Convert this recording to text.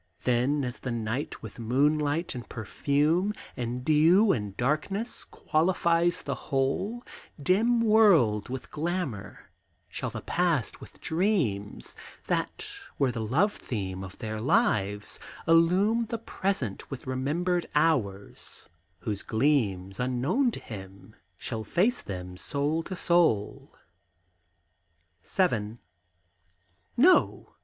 Then as the night with moonlight and perfume, And dew and darkness, qualifies the whole Dim world with glamour, shall the past with dreams That were the love theme of their lives illume The present with remembered hours, whose gleams, Unknown to him, shall face them soul to soul? VII. No!